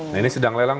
nah ini sedang lelang